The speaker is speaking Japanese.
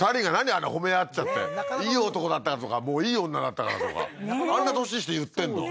あれ褒め合っちゃっていい男だったとかもういい女だったからとかあんな年して言ってんのねえ